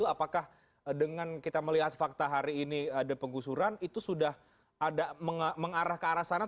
apakah dengan kita melihat fakta hari ini ada penggusuran itu sudah ada mengarah ke arah sana